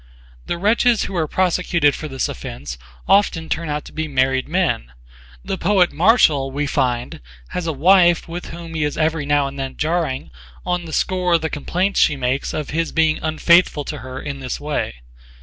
The wretches who are prosecuted for this offence often turn out to be married men. The poet Martial, we find, has a wife with whom he is every now and then jarring on the score of the complaints she makes of his being unfaithful to her in this way.